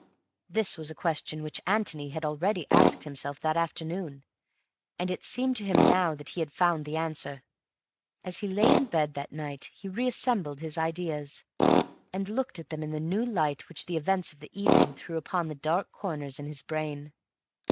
This was a question which Antony had already asked himself that afternoon, and it seemed to him now that he had found the answer. As he lay in bed that night he reassembled his ideas, and looked at them in the new light which the events of the evening threw upon the dark corners in his brain.